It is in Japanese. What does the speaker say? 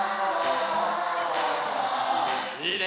いいね！